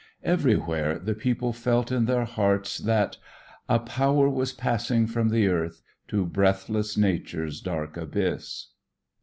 Everywhere the people felt in their hearts that: A power was passing from the Earth To breathless Nature's dark abyss.